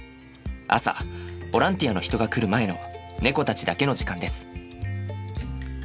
朝ボランティアの人が来る前の猫たちだけの時間です。